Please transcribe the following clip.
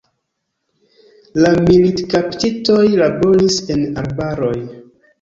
La militkaptitoj laboris en arbaroj.